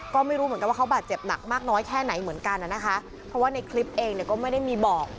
ก็ไม่รู้เหมือนกันว่าเขาบาดเจ็บหนักมากน้อยแค่ไหนเหมือนกันนะคะเพราะว่าในคลิปเองเนี่ยก็ไม่ได้มีบอก